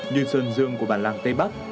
như sơn dương của bản làng tây bắc